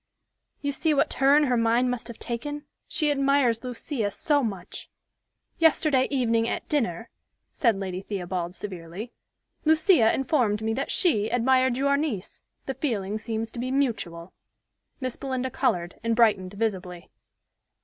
You see what turn her mind must have taken. She admires Lucia so much." "Yesterday evening at dinner," said Lady Theobald severely, "Lucia informed me that she admired your niece. The feeling seems to be mutual." Miss Belinda colored, and brightened visibly.